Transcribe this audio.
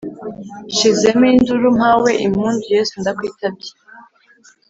Nshizemo induru mpawe impundu yesu ndakwitabye